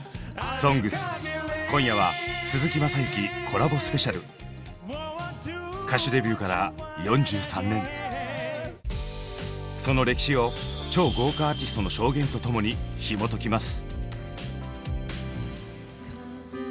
「ＳＯＮＧＳ」今夜は歌手デビューから４３年その歴史を超豪華アーティストの証言とともにひもときます。